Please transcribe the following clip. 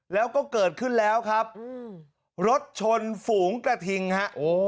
แล้วก็เกิดขึ้นแล้วครับรถชนฝูงกระทิงฮะ